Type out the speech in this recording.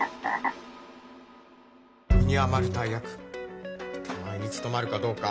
身に余る大役手前に務まるかどうか。